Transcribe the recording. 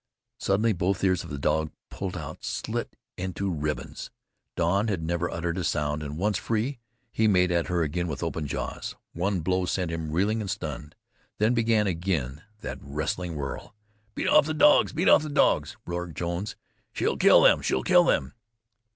Suddenly both ears of the dog pulled out, slit into ribbons. Don had never uttered a sound, and once free, he made at her again with open jaws. One blow sent him reeling and stunned. Then began again that wrestling whirl. "Beat off the dogs! Beat off the dogs!" roared Jones. "She'll kill them! She'll kill them!"